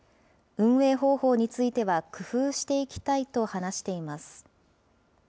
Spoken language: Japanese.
運営方法については工夫していきたいと話しています。